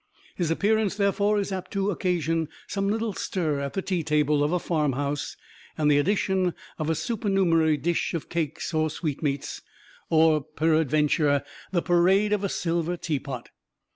His appearance, therefore, is apt to occasion some little stir at the tea table of a farmhouse and the addition of a supernumerary dish of cakes or sweetmeats, or, peradventure, the parade of a silver teapot.